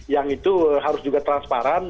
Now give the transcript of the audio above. yang itu harus juga transparan